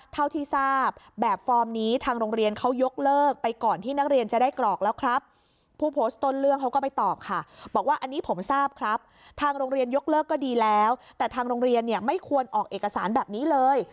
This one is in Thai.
ทางโรงเรียนยกเลิกก็ดีแล้วแต่ทางโรงเรียนเนี่ยไม่ควรออกเอกสารแบบนี้เลย